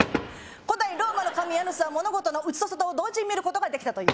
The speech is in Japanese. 「古代ローマの神・ヤヌスは物事の内と外を同時に見ることができたという」